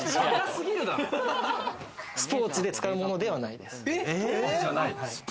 スポーツで使うものじゃないです。